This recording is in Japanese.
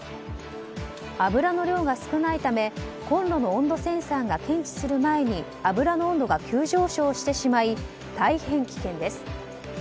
油の量が少ないためコンロの温度センサーが検知する前に油の温度が急上昇してしまい大変危険です。